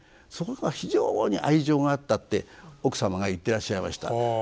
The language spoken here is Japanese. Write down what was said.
そこが非常に愛情があったって奥様が言ってらっしゃいました。